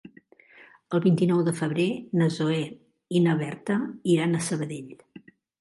El vint-i-nou de febrer na Zoè i na Berta iran a Sabadell.